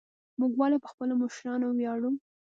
موږ ولې په خپلو مشرانو ویاړو؟